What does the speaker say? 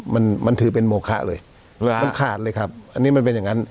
มันมันถือเป็นโมคะเลยมันขาดเลยครับอันนี้มันเป็นอย่างนั้น